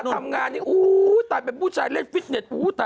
เวลาทำงานอุ๊ยตายเป็นผู้ชายเล่นฟิชเนท